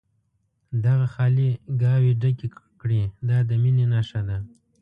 دغه خالي ګاوې ډکې کړي دا د مینې نښه ده.